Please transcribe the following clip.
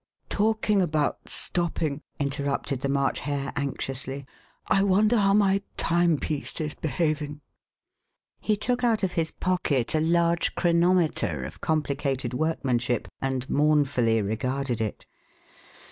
Talking about stopping," interrupted the March Hare anxiously, I wonder how my timepiece is behaving." He took out of his pocket a large chronometer of complicated workmanship, and mournfully regarded it.